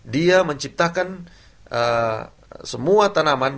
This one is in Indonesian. dia menciptakan semua tanaman